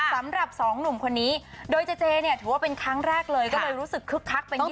สำหรับสองหนุ่มคนนี้โดยเจเจเนี่ยถือว่าเป็นครั้งแรกเลยก็เลยรู้สึกคึกคักไปมาก